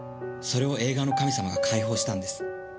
それを映画の神様が解放したんです。